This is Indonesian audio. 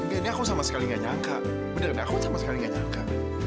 nggak ini aku sama sekali nggak nyangka bener ini aku sama sekali nggak nyangka